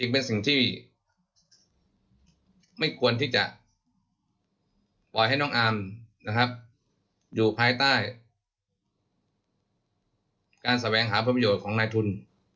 เป็นสิ่งที่ไม่ควรที่จะปล่อยให้น้องอาร์มนะครับอยู่ภายใต้การแสวงหาผลประโยชน์ของนายทุน